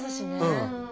うん。